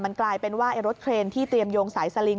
กลายเป็นว่ารถเครนที่เตรียมโยงสายสลิง